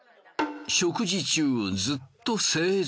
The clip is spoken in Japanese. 食事中ずっと正座。